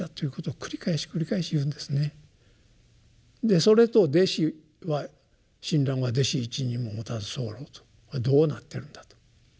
でそれと弟子は「親鸞は弟子一人ももたずさふらふ」とどうなってるんだと。